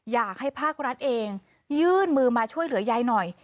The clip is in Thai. อยากให้ภาครัฐเองยื่นมือมาช่วยเหลือยายหน่อย